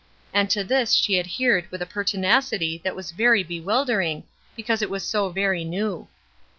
And to this she adhered with a pertinacity that was very bewildering, because it was so very new.